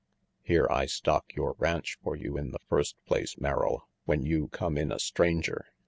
Here I stock your ranch for you in the first place, Merrill, when you come in a stranger.